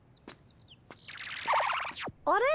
あれ？